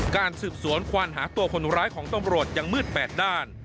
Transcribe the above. การสืบสวนควานหาตัวคนร้ายของตำรวจยังมืด๘ด้าน